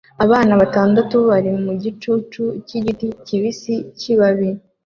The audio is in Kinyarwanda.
Abana batandatu bari mu gicucu cyigiti kibisi kibabi